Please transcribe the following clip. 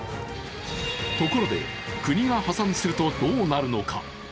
ところで、国が破産するとどうなるのか。